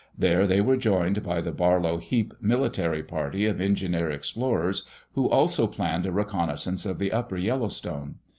There they were joined by the Barlow Heap military party of engineer explorers who also planned a reconnaissance of the Upper Yellowstone.